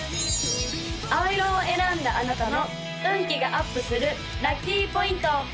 青色を選んだあなたの運気がアップするラッキーポイント！